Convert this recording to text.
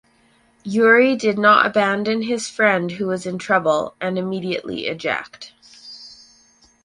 Yuri did not abandon his friend who was in trouble and immediately eject.